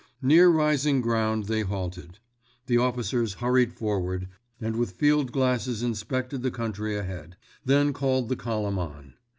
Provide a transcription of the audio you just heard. Near rising ground they halted. The officers hurried forward, and with field glasses inspected the country ahead; then called the column on.